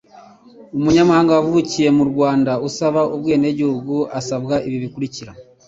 Umunyamahanga wavukiye mu Rwanda usaba ubwenegihugu asabwa ibi bikurikira: